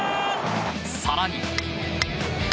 更に。